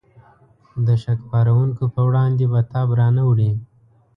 د شک پارونکو په وړاندې به تاب را نه وړي.